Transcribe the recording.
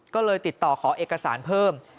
ก็เลยติดต่อขอเอกสารเพิ่ม